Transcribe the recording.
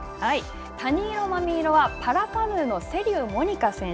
たに色まみ色はパラカヌーの瀬立モニカ選手。